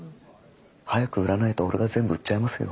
早く売らないと俺が全部売っちゃいますよ。